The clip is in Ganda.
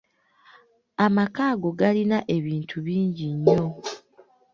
Amaka ago galina ebintu bingi nnyo.